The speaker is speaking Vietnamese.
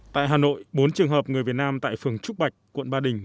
tại hà nội bốn trường hợp người việt nam tại phường trúc bạch quận ba đình